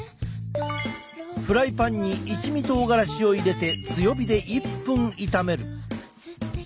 フライパンに一味とうがらしを入れて強火で１分炒める。